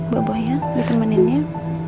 bawa bawa ya ditemenin ya